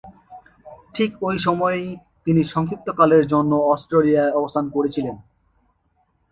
ঠিক ঐ সময়েই তিনি সংক্ষিপ্তকালের জন্য অস্ট্রেলিয়ায় অবস্থান করছিলেন।